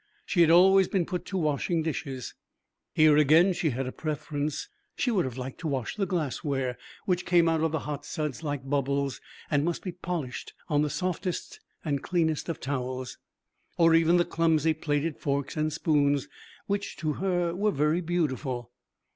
She had always been put to washing dishes. Here again she had a preference: she would have liked to wash the glassware, which came out of the hot suds like bubbles and must be polished on the softest and cleanest of towels; or even the clumsy plated forks and spoons, which to her were very beautiful.